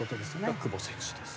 久保選手です。